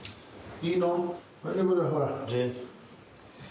いいの？